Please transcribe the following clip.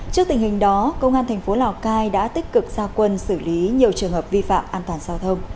trước tình hình đó công an thành phố lào cai đã tích cực gia quân xử lý nhiều trường hợp vi phạm an toàn giao thông